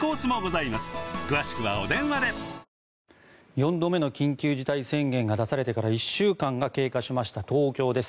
４度目の緊急事態宣言が出されてから１週間が経過しました東京です。